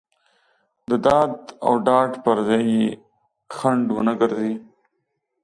د داد او ډاډ پر ځای یې خنډ ونه ګرځي.